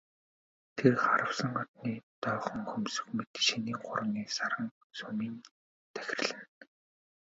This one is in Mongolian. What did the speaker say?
Тэр харвасан одны доохон хөмсөг мэт шинийн гуравны саран сүүмийн тахирлана.